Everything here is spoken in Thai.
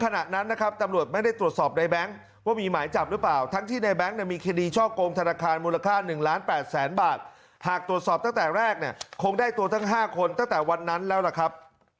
ในแบงค์ว่ามีหมายจับหรือเปล่าทั้งที่ในแบงค์มีคดีช่อโกงธนาคารมูลค่า๑ล้าน๘แสนบาทหากตรวจสอบตั้งแต่แรกเนี่ยคงได้ตัวทั้ง๕คนตั้งแต่วันนั้นแล้วล่ะครับ